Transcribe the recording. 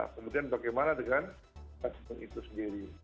kemudian bagaimana dengan itu sendiri